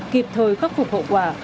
kịp thời khắc phục hậu quả